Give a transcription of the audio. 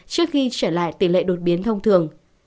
trước khi trở lại tỷ lệ đột biến thông thường